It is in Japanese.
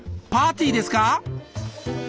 パーティーですか？